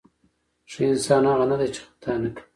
ښه انسان هغه نه دی چې خطا نه کوي.